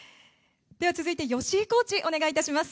続いて、吉井コーチお願いいたします。